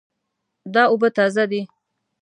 دا اوبه تازه دي